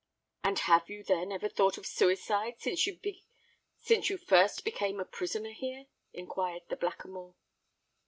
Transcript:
"And have you, then, ever thought of suicide, since you first became a prisoner here?" enquired the Blackamoor.